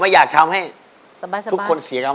เยี่ยม